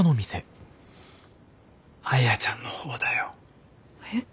アヤちゃんの方だよ。えっ？